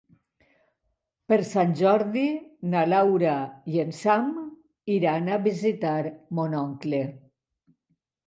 Per Sant Jordi na Laura i en Sam iran a visitar mon oncle.